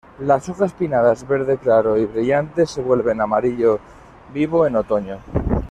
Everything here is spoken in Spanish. Las hojas pinnadas verde claro y brillante, se vuelven amarillo vivo en otoño.